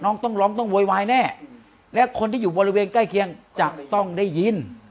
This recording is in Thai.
ต้องร้องต้องโวยวายแน่และคนที่อยู่บริเวณใกล้เคียงจะต้องได้ยิน